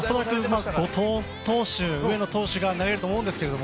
後藤投手、上野投手が投げると思うんですけど